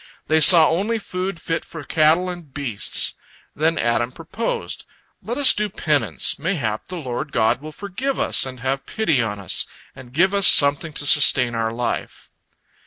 They saw only food fit for cattle and beasts. Then Adam proposed: "Let us do penance, mayhap the Lord God will forgive us and have pity on us, and give us something to sustain our life."